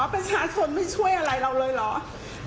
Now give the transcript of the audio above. ประชาชนไม่ช่วยอะไรเราเลยเหรอ